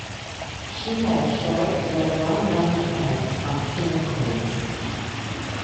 She had a short yet well known appearance on King of Queens.